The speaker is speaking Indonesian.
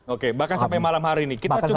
oke bahkan sampai malam hari ini